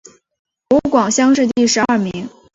湖广乡试第十二名。